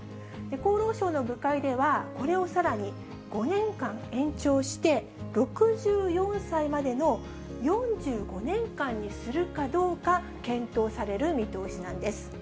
厚労省の部会では、これをさらに５年間延長して、６４歳までの４５年間にするかどうか、検討される見通しなんです。